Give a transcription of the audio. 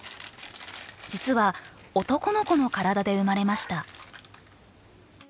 実は男の子の体で生まれました。